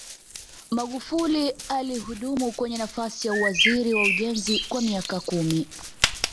magufuli alihudumu kwenye nafasi ya uwaziri wa ujenzi kwa miaka kumi